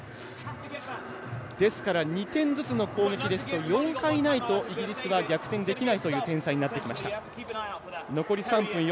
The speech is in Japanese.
ですから、２点ずつの攻撃ですと４回ないとイギリスは逆転できない点差になってきました。